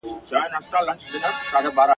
خو په واشنګټن او د نړۍ په نورو سیمو کي !.